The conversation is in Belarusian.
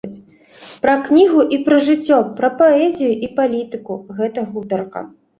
Пра кнігу і пра жыццё, пра паэзію і палітыку гэта гутарка.